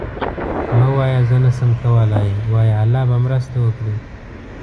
مه وایه زه نشم کولی، وایه الله به مرسته وکړي.